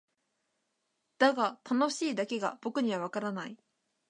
だが「楽しい」だけが僕にはわからない。